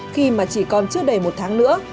khi mà chỉ còn trước đầy một tháng nữa